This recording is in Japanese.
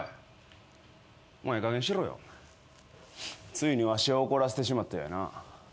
ついにわしを怒らせてしまったな。